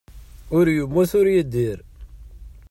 Ur yemmut ur yeddir.